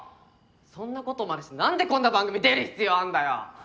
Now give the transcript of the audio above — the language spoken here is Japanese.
そんなことまでして何でこんな番組出る必要あんだよ！